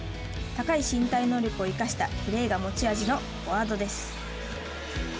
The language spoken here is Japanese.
高い身体能力を生かしたプレーが持ち味のフォワードです。